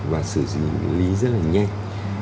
và xử lý rất là nhanh